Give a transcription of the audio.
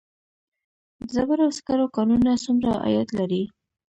د ډبرو سکرو کانونه څومره عاید لري؟